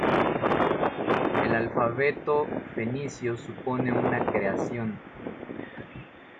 El alfabeto fenicio supone una creación.